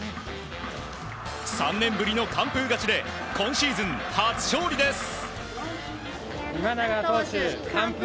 ３年ぶりの完封勝ちで今シーズン初勝利です。